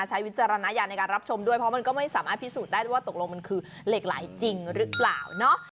วิจารณญาณในการรับชมด้วยเพราะมันก็ไม่สามารถพิสูจน์ได้ว่าตกลงมันคือเหล็กไหลจริงหรือเปล่าเนาะ